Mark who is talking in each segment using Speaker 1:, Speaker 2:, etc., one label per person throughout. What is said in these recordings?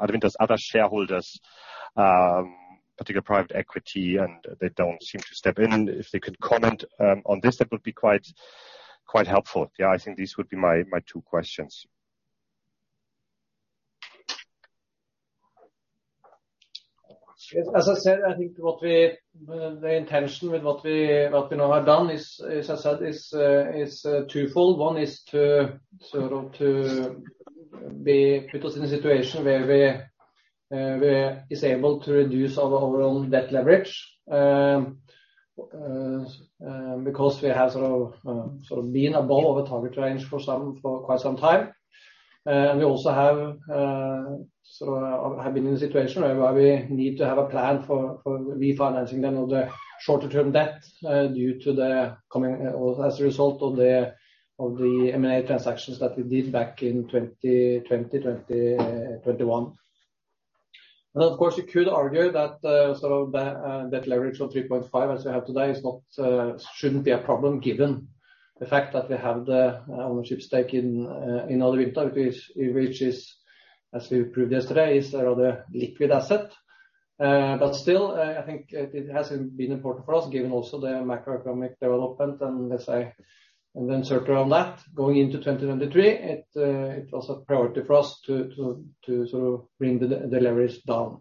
Speaker 1: I mean, there's other shareholders, particular private equity. They don't seem to step in. If they could comment, on this, that would be quite helpful. I think these would be my two questions.
Speaker 2: As I said, I think what we the intention with what we now have done is, as I said, is twofold. One is to sort of put us in a situation where we is able to reduce our overall debt leverage. Because we have sort of been above our target range for quite some time. We also have sort of been in a situation where we need to have a plan for refinancing then of the shorter-term debt due to the coming or as a result of the M&A transactions that we did back in 2020, 2021. Of course, you could argue that sort of the debt leverage of 3.5 as we have today is not shouldn't be a problem, given the fact that we have the ownership stake in Adevinta, which is, as we proved yesterday, is a rather liquid asset. Still, I think it has been important for us, given also the macroeconomic development and then circle around that, going into 2023, it was a priority for us to sort of bring the leverage down.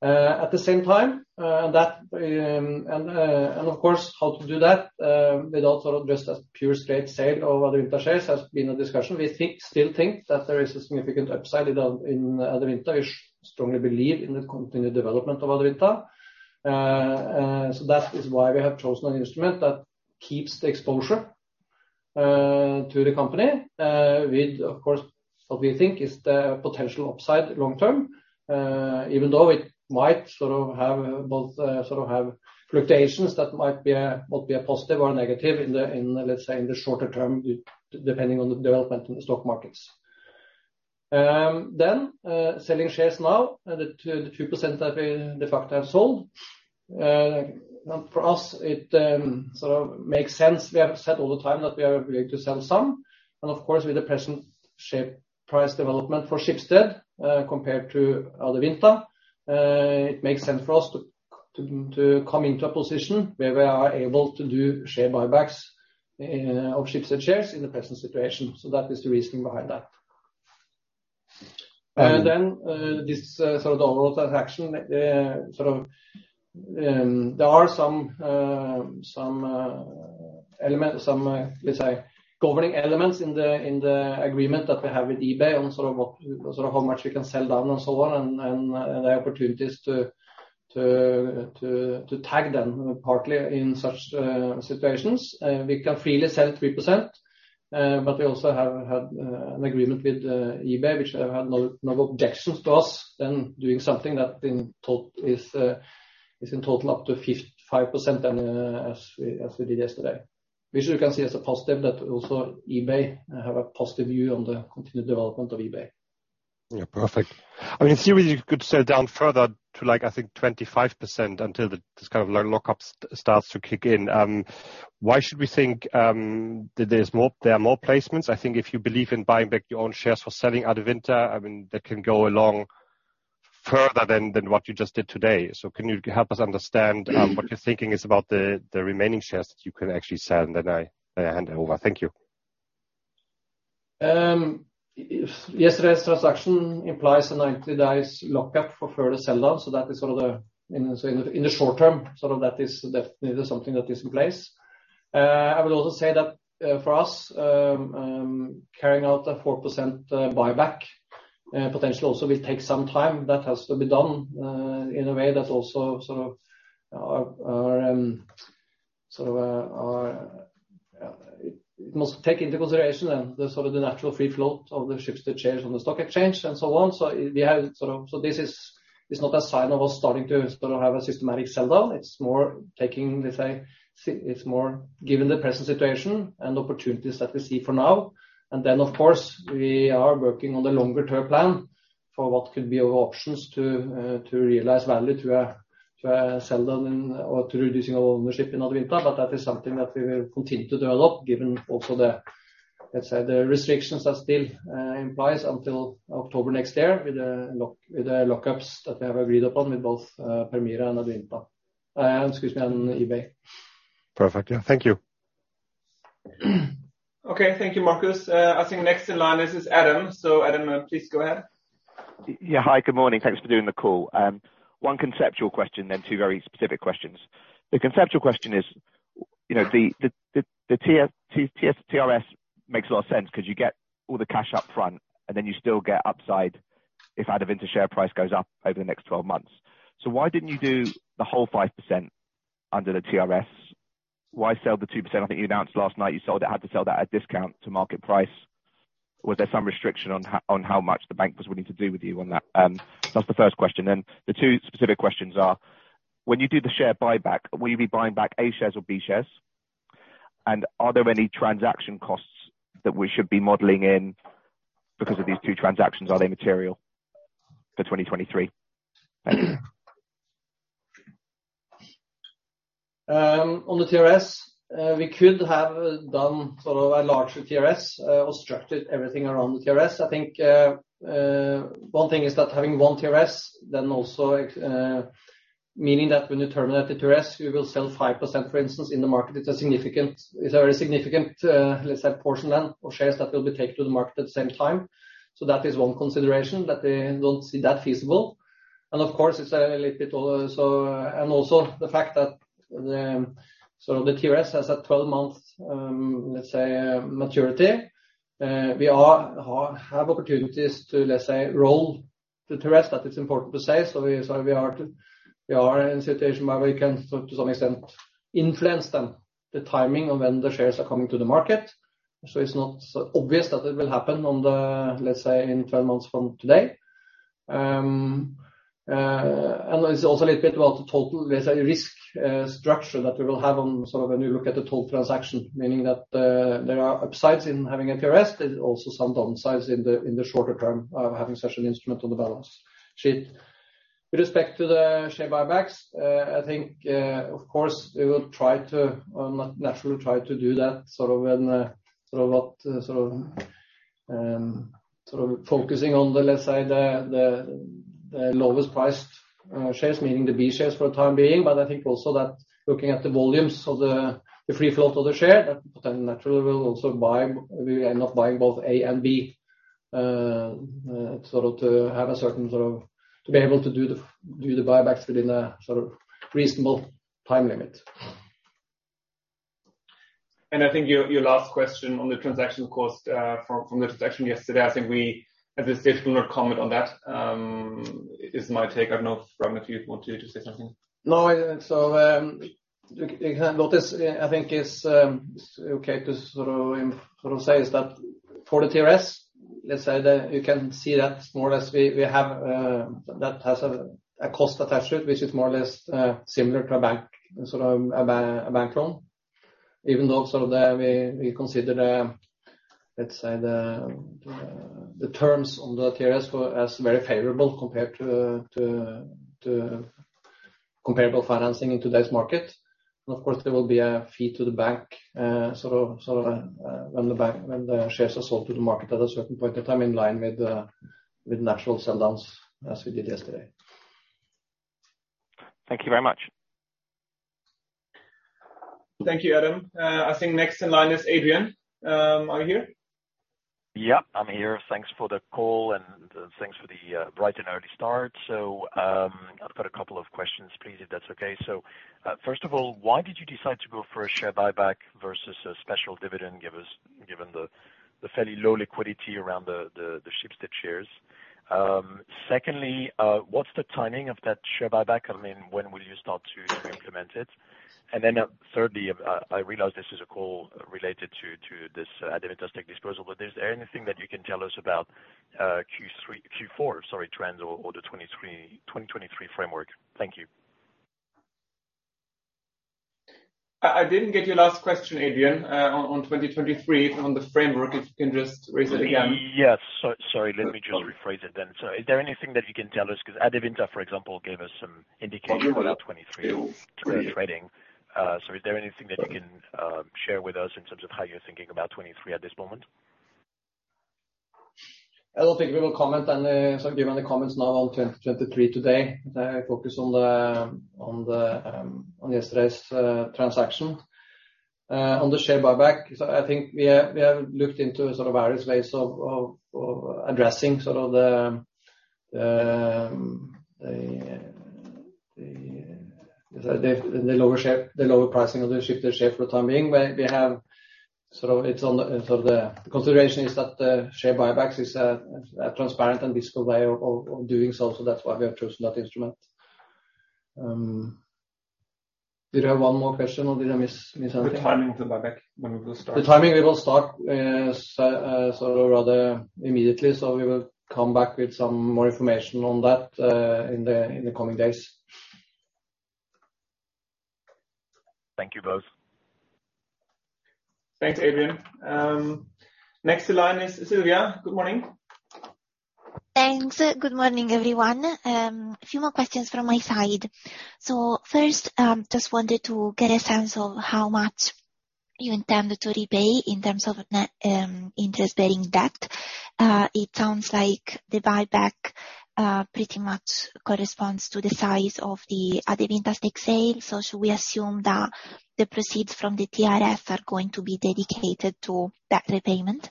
Speaker 2: At the same time, that and of course, how to do that, we'd also addressed as pure straight sale of Adevinta shares has been a discussion. We think, still think that there is a significant upside in Adevinta. We strongly believe in the continued development of Adevinta. That is why we have chosen an instrument that keeps the exposure to the company. With, of course, what we think is the potential upside long term, even though it might sort of have both, sort of have fluctuations that might be, might be a positive or a negative in the, let's say, in the shorter term, depending on the development in the stock markets. Selling shares now, the 2% that we de facto have sold, for us, it sort of makes sense. We have said all the time that we are willing to sell some, and of course, with the present share price development for Schibsted, compared to Adevinta, it makes sense for us to come into a position where we are able to do share buybacks of Schibsted shares in the present situation. That is the reasoning behind that. Then, this overall transaction, there are some elements, let's say, governing elements in the agreement that we have with eBay on what, how much we can sell down and so on, and the opportunities to tag them partly in such situations. 3%, but we also have had an agreement with eBay, which had no objections to us doing something that is in total up to 5% as we did yesterday. Which you can see as a positive that also eBay have a positive view on the continued development of eBay
Speaker 1: Perfect. I mean, in theory, you could sell down further to, like, I think 25% until this kind of lock-up starts to kick in. Why should we think that there are more placements? I think if you believe in buying back your own shares for selling Adevinta, I mean, that can go along further than what you just did today. Can you help us understand what your thinking is about the remaining shares that you can actually sell? I hand it over. Thank you.
Speaker 2: Yesterday's transaction implies a 90-days lock-up for further sell-down. That is sort of the, in the, in the short term, sort of that is definitely something that is in place. I would also say that for us, carrying out a 4% buyback potentially also will take some time. That has to be done. It must take into consideration then the sort of the natural free float of the Schibsted shares on the stock exchange and so on. This is, it's not a sign of us starting to sort of have a systematic sell-down. It's more taking, let's say, It's more given the present situation and the opportunities that we see for now. Of course, we are working on the longer-term plan for what could be our options to realize value through a sell-down or through reducing our ownership in Adevinta. That is something that we will continue to do a lot, given also the, let's say, the restrictions that still implies until October next year with the lock-ups that we have agreed upon with both Permira and Adevinta. Excuse me, and eBay.
Speaker 1: Perfect. Yeah. Thank you.
Speaker 3: Okay. Thank you, Marcus. I think next in line, this is Adam. Adam, please go ahead.
Speaker 4: Yeah. Hi, good morning. Thanks for doing the call. One conceptual question, two very specific questions. The conceptual question is, you know, the TRS makes a lot of sense because you get all the cash up front and then you still get upside if Adevinta share price goes up over the next 12 months. Why didn't you do the whole 5% under the TRS? Why sell the 2%? I think you announced last night you sold it, had to sell that at discount to market price. Was there some restriction on how much the bank was willing to do with you on that? That's the first question. The two specific questions are, when you do the share buyback, will you be buying back A shares or B shares? Are there any transaction costs that we should be modeling in because of these two transactions? Are they material for 2023? Thank you.
Speaker 2: On the TRS, we could have done sort of a larger TRS, or structured everything around the TRS. I think, one thing is that having one TRS then also, meaning that when we terminate the TRS, we will sell 5% for instance in the market. It's a very significant, let's say, portion then of shares that will be taken to the market at the same time. That is one consideration that we don't see that feasible. Of course, it's a little bit also. The fact that the, sort of the TRS has a 12-month, let's say, maturity. We have opportunities to, let's say, roll the TRS. That is important to say. We are to... We are in a situation where we can to some extent influence then the timing of when the shares are coming to the market. It's not so obvious that it will happen on the, let's say, in 12 months from today. It's also a little bit about the total, let's say, risk structure that we will have on sort of when you look at the total transaction. Meaning that, there are upsides in having a TRS. There's also some downsides in the, in the shorter term of having such an instrument on the balance sheet. With respect to the share buybacks, I think, of course, we will try to naturally try to do that sort of when, sort of what, sort of focusing on the, let's say, the lowest priced shares, meaning the B shares for the time being. I think also that looking at the volumes of the free float of the share, that then naturally we'll also buy, we end up buying both A and B, sort of to have a certain sort of. To be able to do the buybacks within a sort of reasonable time limit.
Speaker 3: I think your last question on the transaction cost from the transaction yesterday, I think we at this stage will not comment on that. Is my take. I don't know if, Ramneek, you want to say something.
Speaker 5: You can notice, I think is okay to say is that for the TRS, let's say that you can see that more or less we have that has a cost attached to it, which is more or less similar to a bank loan. Even though we consider the, let's say the terms on the TRS as very favorable compared to comparable financing in today's market. Of course, there will be a fee to the bank when the shares are sold to the market at a certain point in time, in line with natural sell downs, as we did yesterday.
Speaker 4: Thank you very much.
Speaker 3: Thank you, Adam. I think next in line is Adrian. Are you here?
Speaker 6: Yeah, I'm here. Thanks for the call. Thanks for the bright and early start. I've got a couple of questions please, if that's okay. First of all, why did you decide to go for a share buyback versus a special dividend given the fairly low liquidity around the Schibsted shares? Secondly, what's the timing of that share buyback? I mean, when will you start to implement it? Thirdly, I realize this is a call related to this Adevinta stake disposal, but is there anything that you can tell us about Q4, sorry, trends or the 2023 framework? Thank you.
Speaker 5: I didn't get your last question, Adrian, on 2023 on the framework. If you can just raise it again.
Speaker 6: Sorry. Let me just rephrase it then. Is there anything that you can tell us? 'Cause Adevinta, for example, gave us some indication for the 2023 trading. Is there anything that you can share with us in terms of how you're thinking about 2023 at this moment?
Speaker 2: I don't think we will comment any, sort of give any comments now on 2023 today. Focus on the, on the, on yesterday's transaction. On the share buyback, so I think we have looked into sort of various ways of addressing sort of the lower share, the lower pricing of the Schibsted share for the time being. We have sort of it's on the, sort of the consideration is that the share buybacks is a transparent and visible way of doing so. That's why we have chosen that instrument. Did you have one more question or did I miss something?
Speaker 6: The timing of the buyback, when will it start?
Speaker 2: The timing, we will start, sort of rather immediately. We will come back with some more information on that, in the coming days.
Speaker 6: Thank you both.
Speaker 3: Thanks, Adrian. Next in line is Sylvia. Good morning.
Speaker 7: Thanks. Good morning, everyone. A few more questions from my side. First, just wanted to get a sense of how much you intend to repay in terms of net, interest-bearing debt. It sounds like the buyback pretty much corresponds to the size of the Adevinta stake sale. Should we assume that the proceeds from the TRS are going to be dedicated to that repayment?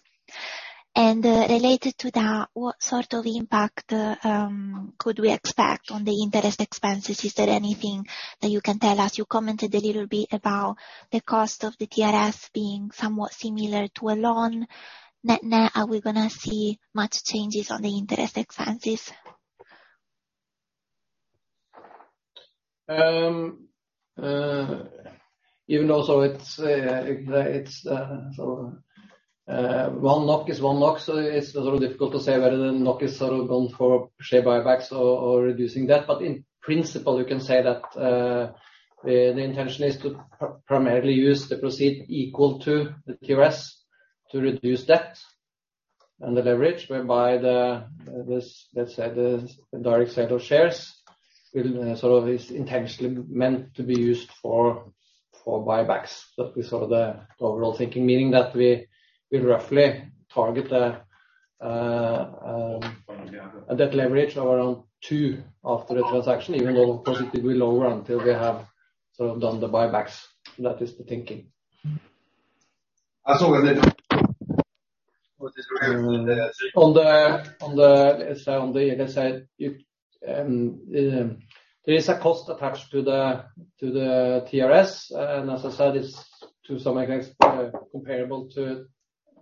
Speaker 7: Related to that, what sort of impact could we expect on the interest expenses? Is there anything that you can tell us? You commented a little bit about the cost of the TRS being somewhat similar to a loan. Net, net, are we gonna see much changes on the interest expenses?
Speaker 2: Even though one lock is one lock, it's sort of difficult to say whether the lock is sort of gone for share buybacks or reducing debt. In principle, you can say that the intention is to primarily use the proceed equal to the TRS to reduce debt. The leverage whereby the direct set of shares will sort of is intentionally meant to be used for buybacks. That is sort of the overall thinking, meaning that we roughly target the a debt leverage of around two after the transaction, even though of course it will be lower until we have sort of done the buybacks. That is the thinking.
Speaker 5: I saw that it
Speaker 2: On the, let's say, on the, like I said, you, there is a cost attached to the TRS. As I said, it's to some extent comparable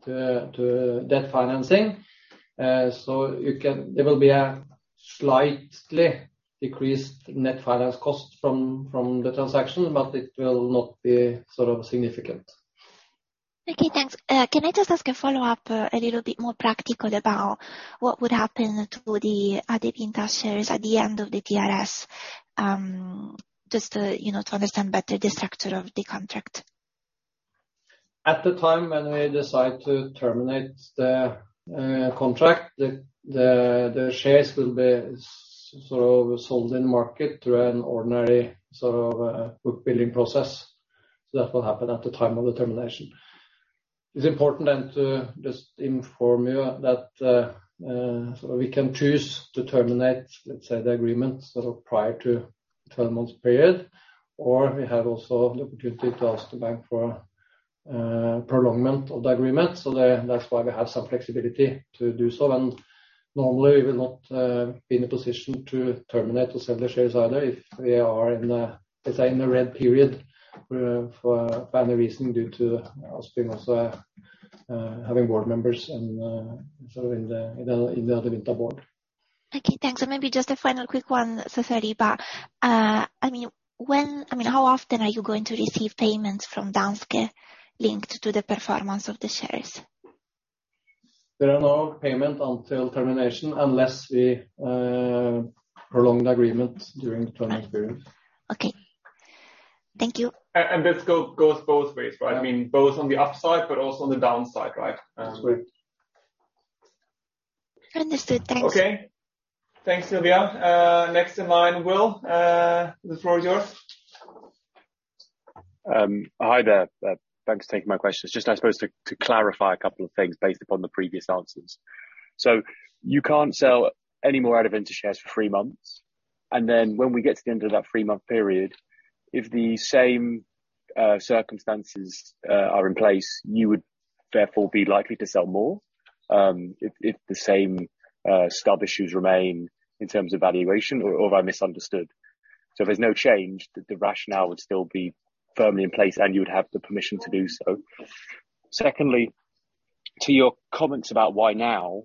Speaker 2: to debt financing. There will be a slightly decreased net finance cost from the transaction, but it will not be sort of significant.
Speaker 7: Okay, thanks. Can I just ask a follow-up, a little bit more practical about what would happen to the shares at the end of the TRS, just to, you know, to understand better the structure of the contract?
Speaker 2: At the time when we decide to terminate the contract, the shares will be sort of sold in the market through an ordinary sort of book-building process. That will happen at the time of the termination. It's important then to just inform you that so we can choose to terminate, let's say, the agreement sort of prior to the 12 months period, or we have also the opportunity to ask the bank for prolongment of the agreement. That's why we have some flexibility to do so, and normally we will not be in a position to terminate or sell the shares either if we are in a, let's say, in a closed period for any reason due to us being also having board members and sort of in the Adevinta board.
Speaker 7: Okay, thanks. Maybe just a final quick one, Cesari, but, I mean, how often are you going to receive payments from Danske linked to the performance of the shares?
Speaker 2: There are no payment until termination unless we prolong the agreement during the termination period.
Speaker 7: Okay. Thank you.
Speaker 5: This goes both ways, right? I mean, both on the upside but also on the downside, right?
Speaker 2: That's right.
Speaker 7: Understood. Thanks.
Speaker 3: Okay. Thanks, Sylvia. Next in line, Will, the floor is yours.
Speaker 8: Hi there. Thanks for taking my questions. Just, I suppose, to clarify a couple of things based upon the previous answers. You can't sell any more Adevinta shares for three months, and then when we get to the end of that three-month period, if the same circumstances are in place, you would therefore be likely to sell more, if the same stub issues remain in terms of valuation or have I misunderstood? If there's no change, the rationale would still be firmly in place and you would have the permission to do so. Secondly, to your comments about why now,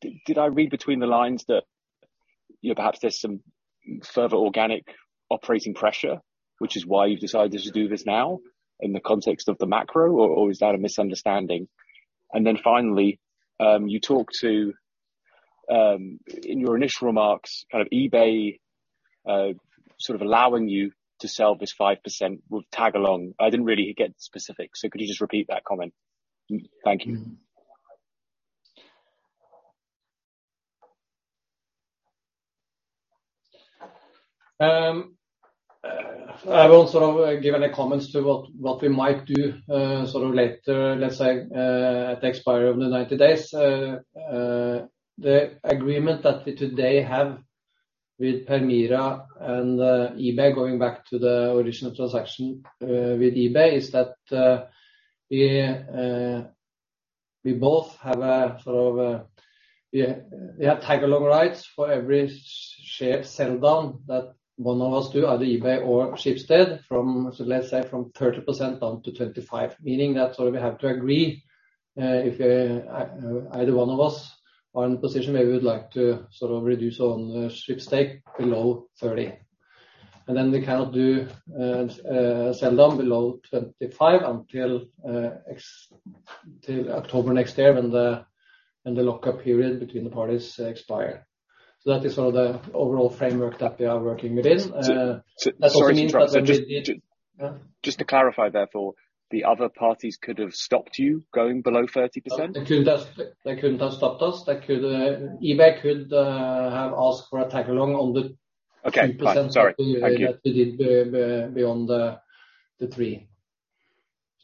Speaker 8: did I read between the lines that, you know, perhaps there's some further organic operating pressure, which is why you've decided to do this now in the context of the macro, or is that a misunderstanding? Finally, you talked to in your initial remarks, kind of eBay sort of allowing you to sell this 5% would tag-along. I didn't really get specifics, so could you just repeat that comment? Thank you.
Speaker 2: I won't sort of give any comments to what we might do, sort of later, let's say, at the expiry of the 90 days. The agreement that we today have with Permira and eBay going back to the original transaction with eBay is that we both have a sort of we have tag-along rights for every share sold on that one of us do, either eBay or Schibsted, from, so let's say from 30% down to 25. Meaning that sort of we have to agree, if either one of us are in a position where we would like to sort of reduce on the Schibsted stake below 30. We cannot do sell down below 25% till October next year when the lock-up period between the parties expire. That is sort of the overall framework that we are working within. That sort of means that we need-
Speaker 8: Sorry to interrupt. Just to clarify, therefore, the other parties could have stopped you going below 30%?
Speaker 2: They couldn't have stopped us. They could eBay could have asked for a tag-along.
Speaker 8: Okay. Right. Sorry. Thank you.
Speaker 2: That we did beyond the three.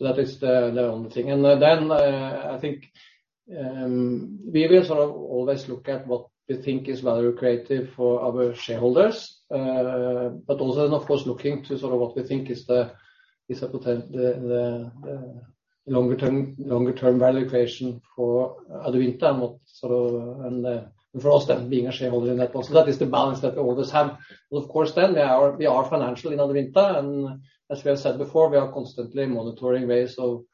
Speaker 2: That is the only thing. I think we will always look at what we think is value creative for our shareholders, but also of course, looking to what we think is the longer term valuation for Adevinta, not for us then being a shareholder in that. That is the balance that we always have. Of course we are financial in Adevinta and as we have said before, we are constantly monitoring ways of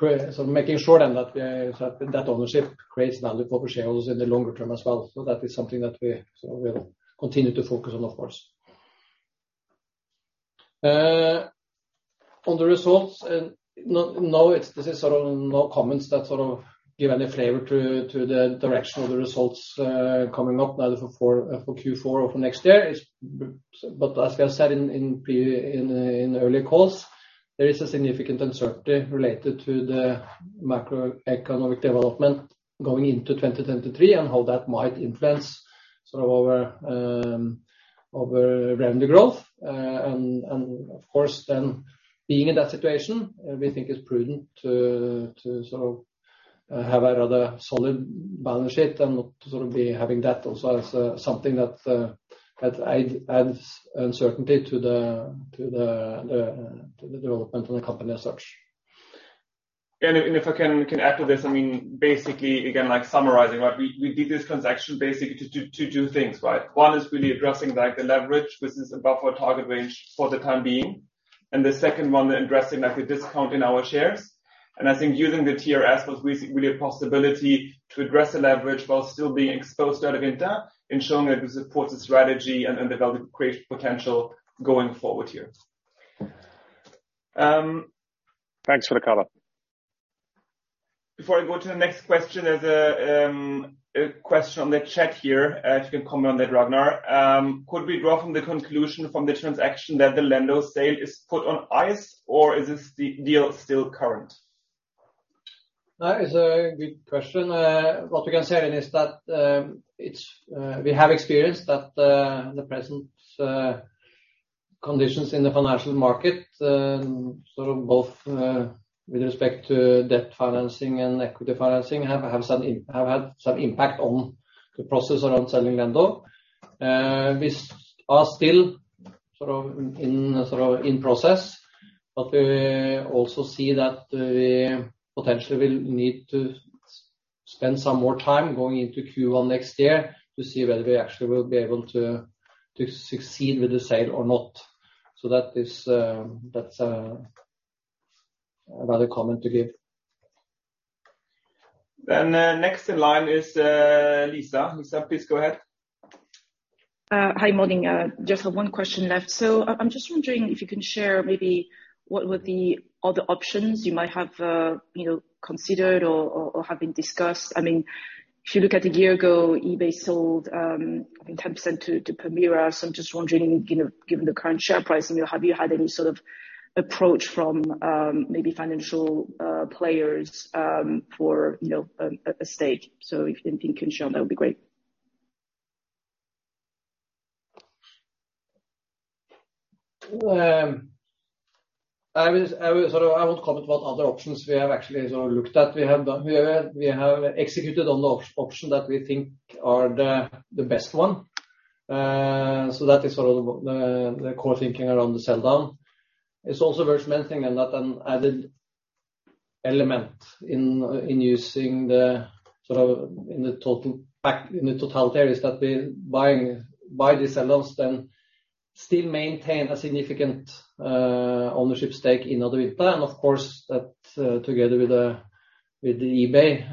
Speaker 2: making sure then that ownership creates value for our shareholders in the longer term as well.
Speaker 5: That is something that we sort of will continue to focus on, of course.
Speaker 2: On the results and no, this is sort of no comments that sort of give any flavor to the direction of the results, coming up now for Q4 or for next year. As we have said in the early calls, there is a significant uncertainty related to the macroeconomic development going into 2023 and how that might influence sort of our revenue growth. Of course, then being in that situation, we think it's prudent to sort of have a rather solid balance sheet and not sort of be having that also as something that adds uncertainty to the, to the development of the company as such.
Speaker 5: If I can add to this, I mean basically, again, like summarizing, right? We did this transaction basically to do things, right? One is really addressing like the leverage, which is above our target range for the time being. The second one, addressing like the discount in our shares. I think using the TRS was basically a possibility to address the leverage while still being exposed to Adevinta and showing that we support the strategy and develop great potential going forward here.
Speaker 8: Thanks for the color.
Speaker 3: Before I go to the next question, there's a question on the chat here. If you can comment on that, Ragnar. Could we draw from the conclusion from the transaction that the Lendo sale is put on ice, or is this the deal still current?
Speaker 2: That is a good question. What we can say then is that it's We have experienced that the present conditions in the financial market, sort of both with respect to debt financing and equity financing, have had some impact on the process around selling Lendo. We are still sort of in process, but we also see that we potentially will need to spend some more time going into Q1 next year to see whether we actually will be able to succeed with the sale or not. That is that's another comment to give.
Speaker 3: Next in line is Lisa. Lisa, please go ahead.
Speaker 9: Hi. Morning. Just have one question left. I'm just wondering if you can share maybe what were the other options you might have, you know, considered or have been discussed. I mean, if you look at a year ago, eBay sold, I think 10% to Permira. I'm just wondering, you know, given the current share price and, you know, have you had any sort of approach from maybe financial players for, you know, a stake? If anything can be shown, that would be great.
Speaker 5: I will, sort of... I won't comment what other options we have actually sort of looked at. We have executed on the option that we think are the best one. That is sort of the core thinking around the sell-down. It's also worth mentioning then that an added element in using the, sort of in the totality is that we buy these sell-downs then still maintain a significant ownership stake in Adevinta. Of course that together with the eBay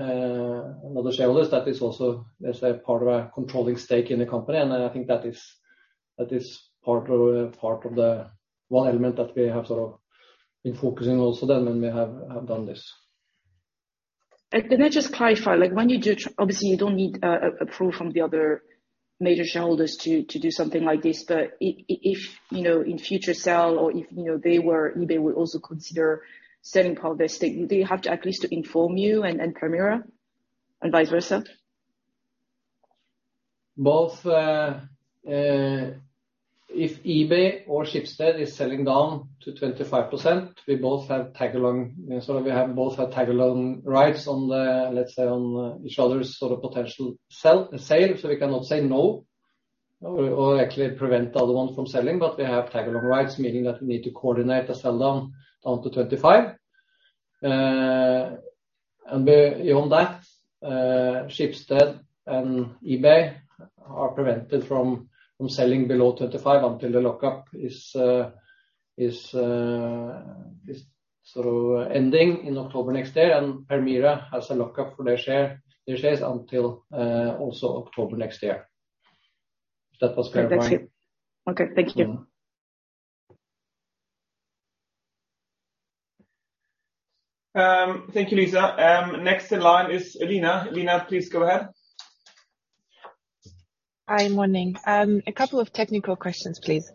Speaker 5: and other shareholders, that is also, let's say, a part of a controlling stake in the company, and I think that is part of the one element that we have sort of been focusing also then when we have done this.
Speaker 9: Can I just clarify? Like, when you do Obviously, you don't need approval from the other major shareholders to do something like this. If, you know, in future sell or if, you know, eBay would also consider selling part of their stake, do they have to at least inform you and Permira and vice versa?
Speaker 2: Both. If eBay or Schibsted is selling down to 25%, we both have tag-along rights on the, let's say, on each other's sort of potential sale. We cannot say no or actually prevent the other one from selling, but we have tag-along rights, meaning that we need to coordinate the sell-down down to 25%. Beyond that, Schibsted and eBay are prevented from selling below 35% until the lock-up is sort of ending in October next year. Permira has a lock-up for their shares until also October next year. If that was clear for you.
Speaker 9: That's it. Okay, thank you.
Speaker 2: Mm-hmm.
Speaker 3: Thank you, Lisa. Next in line is Elena. Elena, please go ahead.
Speaker 10: Hi, morning. A couple of technical questions, please.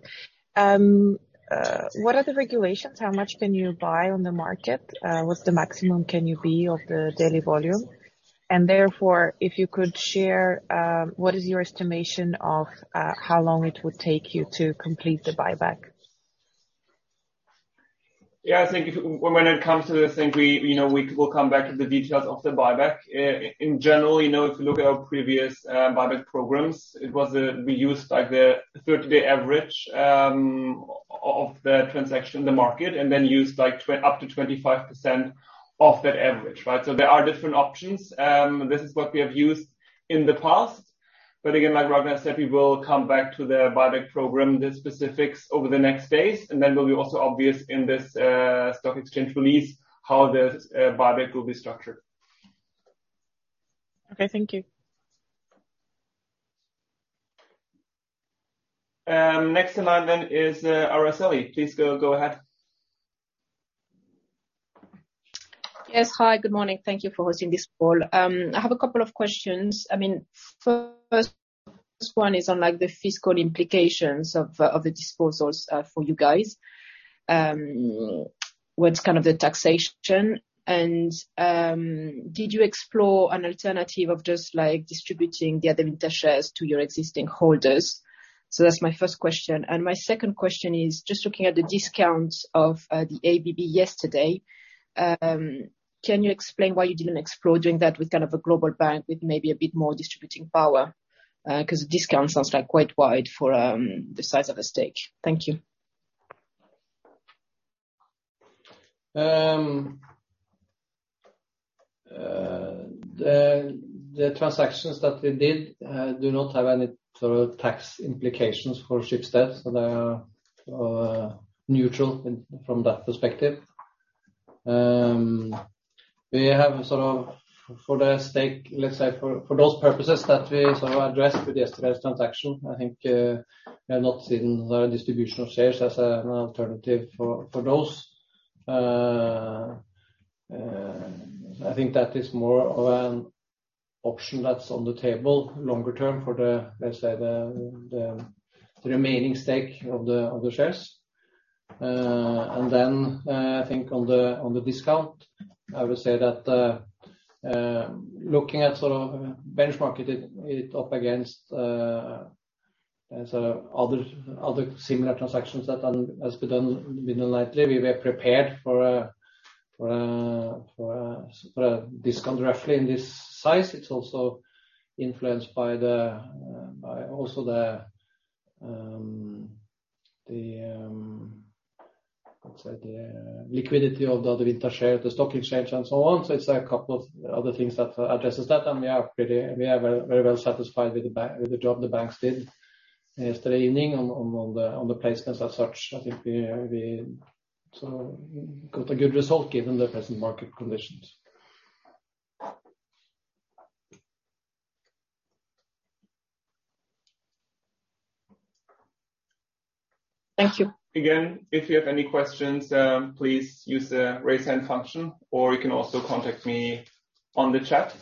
Speaker 10: What are the regulations? How much can you buy on the market? What's the maximum can you be of the daily volume? Therefore, if you could share, what is your estimation of how long it would take you to complete the buyback?
Speaker 5: Yeah, I think if when it comes to this, I think we, you know, we'll come back to the details of the buyback. In general, you know, if you look at our previous buyback programs, it was, we used like the 30-day average of the transaction in the market, and then used like up to 25% of that average, right? There are different options. This is what we have used in the past. Again, like Ragnar said, we will come back to the buyback program, the specifics over the next days, and then it will be also obvious in this stock exchange release how this buyback will be structured.
Speaker 10: Okay, thank you.
Speaker 3: Next in line then is, Araceli. Please go ahead.
Speaker 11: Yes. Hi, good morning. Thank you for hosting this call. I have a couple of questions. I mean, first one is on, like, the fiscal implications of the disposals for you guys. What's kind of the taxation and, did you explore an alternative of just, like, distributing the other shares to your existing holders? That's my first question. My second question is just looking at the discounts of the ABB yesterday, can you explain why you didn't explore doing that with kind of a global bank with maybe a bit more distributing power? 'Cause the discount sounds like quite wide for the size of a stake. Thank you.
Speaker 2: The transactions that we did do not have any sort of tax implications for Schibsted, so they are neutral from that perspective. We have sort of for the stake, let's say for those purposes that we sort of addressed with yesterday's transaction, I think, we have not seen the distribution of shares as an alternative for those. I think that is more of an option that's on the table longer term for the, let's say, the remaining stake of the shares. Then, I think on the discount, I would say that looking at sort of benchmark it up against as other similar transactions that has been done lately, we were prepared for a discount roughly in this size. It's also influenced by also the liquidity of the Adevinta share at the stock exchange and so on. It's a couple of other things that addresses that. We are very, very well satisfied with the job the banks did yesterday evening on the placements as such. I think we sort of got a good result given the present market conditions.
Speaker 11: Thank you.
Speaker 3: If you have any questions, please use the raise hand function, or you can also contact me on the chat.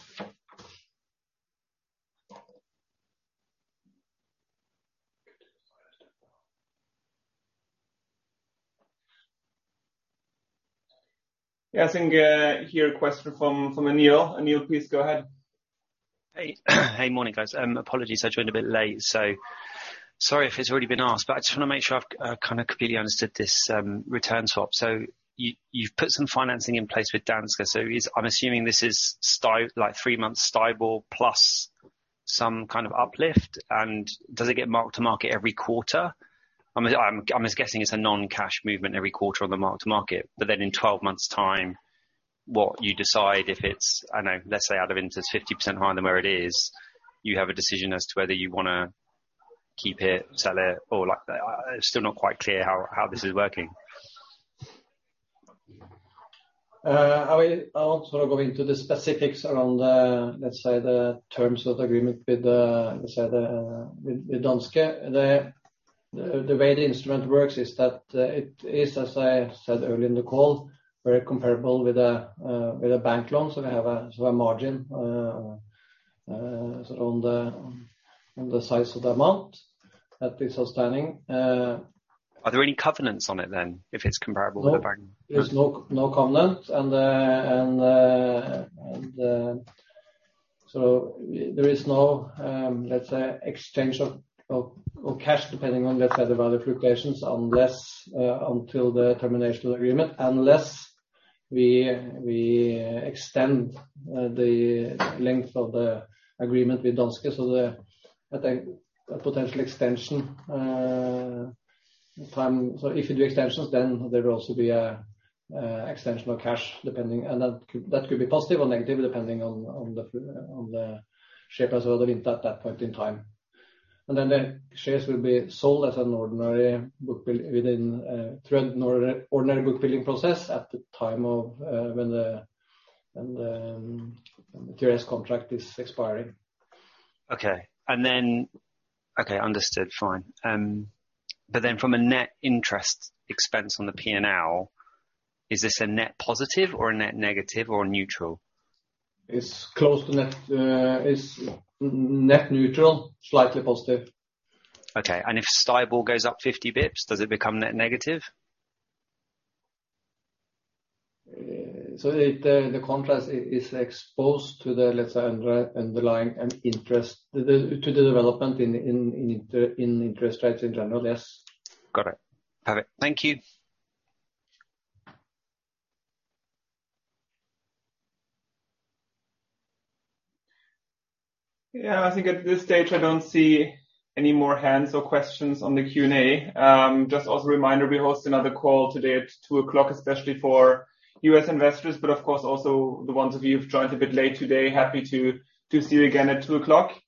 Speaker 3: I think, hear a question from Anil. Anil, please go ahead.
Speaker 12: Hey. Hey, morning, guys. Apologies I joined a bit late, so sorry if it's already been asked, but I just want to make sure I've kind of completely understood this return swap. You've put some financing in place with Danske. I'm assuming this is like three-months STIBOR plus some kind of uplift. Does it get mark to market every quarter? I'm just guessing it's a non-cash movement every quarter on the mark to market. In 12 months' time, what you decide if it's, I know, let's say, out of interest, 50% higher than where it is, you have a decision as to whether you wanna keep it, sell it or like... It's still not quite clear how this is working.
Speaker 2: I won't sort of go into the specifics around let's say, the terms of agreement with let's say, with Danske. The way the instrument works is that it is, as I said earlier in the call, very comparable with a bank loan. We have a margin on the size of the amount that is outstanding.
Speaker 12: Are there any covenants on it then, if it's comparable with the bank?
Speaker 2: No. There's no covenant. There is no, let's say, exchange of cash depending on, let's say, the value fluctuations, until the termination agreement, unless we extend the length of the agreement with Danske. A potential extension time. If we do extensions, then there will also be an extension of cash depending, and that could be positive or negative, depending on the shape as well at that point in time. Then the shares will be sold as an ordinary book build through an ordinary book building process at the time of when the TRS contract is expiring.
Speaker 12: Okay. Okay. Understood. Fine. From a net interest expense on the P&L, is this a net positive or a net negative or a neutral?
Speaker 2: It's close to net. It's net neutral, slightly positive.
Speaker 12: Okay. If STIBOR goes up 50 bps, does it become net negative?
Speaker 2: It, the contrast is exposed to the, let's say, underlying and interest to the, to the development in interest rates in general, yes.
Speaker 12: Got it. Perfect. Thank you.
Speaker 3: Yeah. I think at this stage I don't see any more hands or questions on the Q&A. Just as a reminder, we host another call today at 2:00 PM, especially for U.S. investors, but of course also the ones of you who've joined a bit late today. Happy to see you again at 2:00 PM.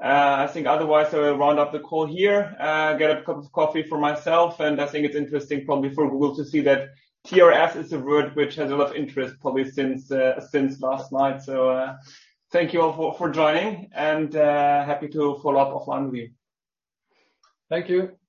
Speaker 3: I think otherwise I will round up the call here, get a cup of coffee for myself. I think it's interesting probably for Google to see that TRS is a word which has a lot of interest probably since since last night. Thank you all for joining and happy to follow up offline with you.
Speaker 2: Thank you.